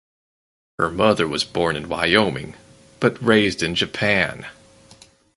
Her mother was born in Wyoming but raised in Japan.